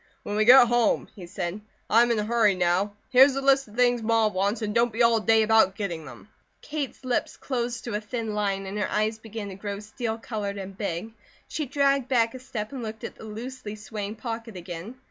"When we get home," he said. "I am in a hurry now. Here's a list of things Ma wants, and don't be all day about getting them." Kate's lips closed to a thin line and her eyes began to grow steel coloured and big. She dragged back a step and looked at the loosely swaying pocket again.